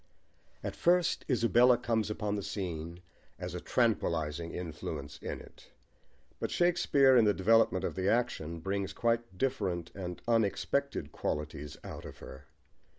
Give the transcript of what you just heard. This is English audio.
At first Isabella comes upon the scene as a tranquillising influence in it. But Shakespeare, in the development of the action, brings quite different and unexpected qualities out of her.